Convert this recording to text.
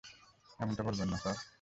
এমনটা বলবেন না স্যার।